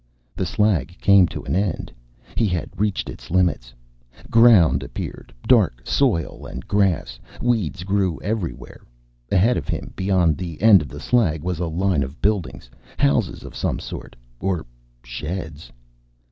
The slag came to an end. He had reached its limits. Ground appeared, dark soil and grass. Weeds grew everywhere. Ahead of him, beyond the end of the slag, was a line of buildings, houses of some sort. Or sheds.